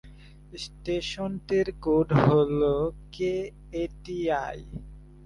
স্টেশনটির code হল কেএটিআই।